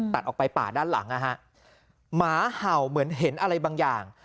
ตัดออกไปป่าด้านหลังนะฮะหมาเห่าเหมือนเห็นอะไรบางอย่าง